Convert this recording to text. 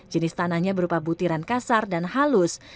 jenis tanahnya berupa butiran kasar dan halus